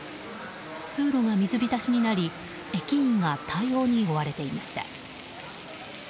通路が水浸しになり駅員が対応に追われていました。